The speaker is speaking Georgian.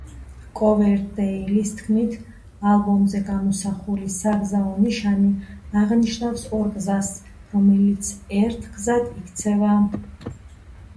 კოვერდეილის თქმით, ალბომზე გამოსახული საგზაო ნიშანი აღნიშნავს ორ გზას, რომელიც ერთ გზად იქცევა.